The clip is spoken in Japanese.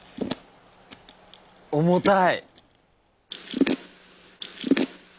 重たい。